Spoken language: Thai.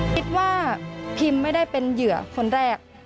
คิดว่าพิมไม่ได้เป็นเหยื่อคนแรก